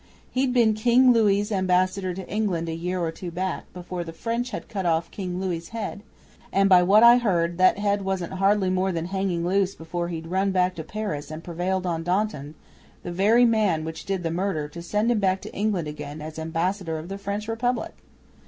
He'd been King Louis' Ambassador to England a year or two back, before the French had cut off King Louis' head; and, by what I heard, that head wasn't hardly more than hanging loose before he'd run back to Paris and prevailed on Danton, the very man which did the murder, to send him back to England again as Ambassador of the French Republic!